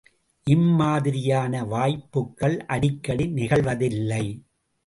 இம்மாதிரியான வாய்ப்புக்கள் அடிக்கடி நிகழ்வதில்லை.